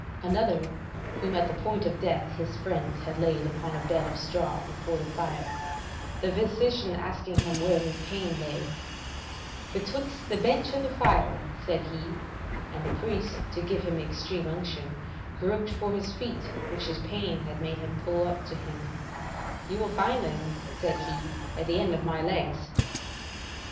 Another, whom at the point of death his friends had laid upon a bed of straw before the fire, the physician asking him where his pain lay: "Betwixt the bench and the fire," said he, and the priest, to give him extreme unction, groping for his feet which his pain had made him pull up to him: "You will find them," said he, "at the end of my legs."